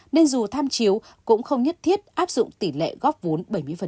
nên dù tham chiếu cũng không nhất thiết áp dụng tỷ lệ góp vốn bảy mươi